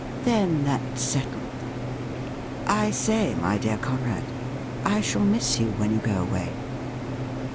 ' Then, that's settled. I say, my dear Conrad, I shall miss you when you go away.'